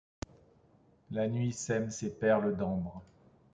La nuit sème ses perles d’ambre.